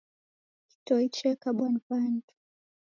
Kitoi chekabwa ni w'andu.